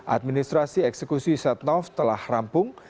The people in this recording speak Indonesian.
administrasi eksekusi setnov telah rampung